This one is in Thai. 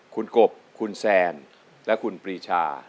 คุณกบคุณแซนและคุณปรีชา